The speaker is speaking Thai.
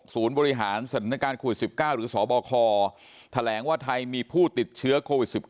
บริหารสถานการณ์โควิด๑๙หรือสบคแถลงว่าไทยมีผู้ติดเชื้อโควิด๑๙